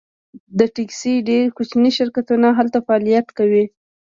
د ټکسي ډیر کوچني شرکتونه هلته فعالیت کوي